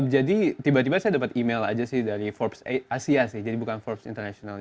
jadi tiba tiba saya dapat email aja sih dari forbes asia sih jadi bukan forbes international